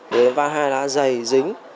để đến van hai lá dày dính